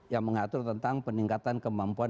yang mengatur tentang peningkatan kemampuan